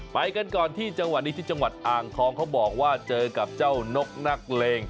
ไปกันก่อนที่จังหวัดอ่างคอนเขาบอกว่าเจอกับเจ้านกนักเลง